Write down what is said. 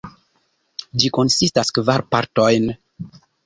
Ĝi konsistas kvar partojn.